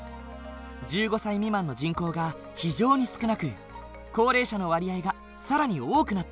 １５歳未満の人口が非常に少なく高齢者の割合が更に多くなっている。